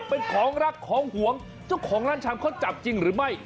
เป็นของรักของหวงเจ้าของร้านชำเขาจับจริงหรือไม่